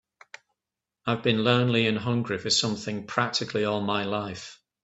I've been lonely and hungry for something practically all my life.